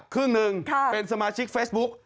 ครึ่งหนึ่งเป็นสมาชิกเฟซบุ๊ก